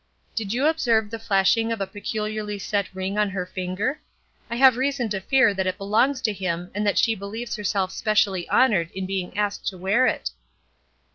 "Did you observe the flashing of a peculiarly set ring on her finger? I have reason to fear that it belongs to him and that she believes herself specially honored in being asked to wear it."